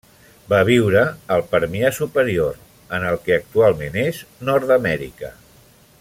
Va viure al Permià superior en el que actualment és Nord-amèrica.